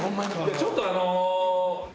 ちょっとあの。